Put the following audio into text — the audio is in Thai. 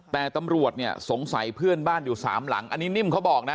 แต่ตำรวจเนี่ยสงสัยเพื่อนบ้านอยู่สามหลังอันนี้นิ่มเขาบอกนะ